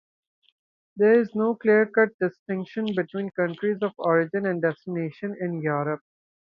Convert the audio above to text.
There is no clear-cut distinction between countries of origin and destination in Europe.